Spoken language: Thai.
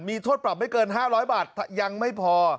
มีโทษปรับไม่เกิน๕๐๐บาทยังไม่พอ